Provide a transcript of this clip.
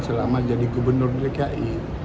selama jadi gubernur dki